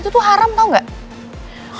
itu tuh haram tau gak